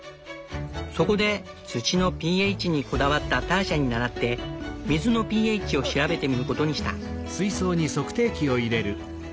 そこで土のｐＨにこだわったターシャに倣って水のｐＨを調べてみることにした。